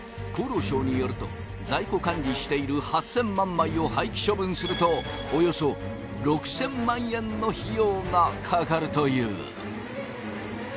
厚労省によると在庫管理している８，０００万枚を廃棄処分するとおよそ６，０００万円の費用がかかるという。